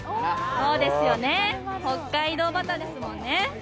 そうですよね、北海道バターですもんね。